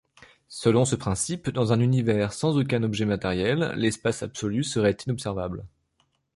Selon ce principe, dans un univers sans aucun objet matériel, l’espace absolu serait inobservable.